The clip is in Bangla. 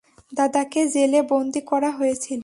দাদাকে জেলে বন্দী করা হয়েছিল?